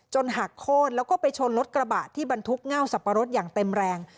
หักโค้นแล้วก็ไปชนรถกระบะที่บรรทุกเง่าสับปะรดอย่างเต็มแรง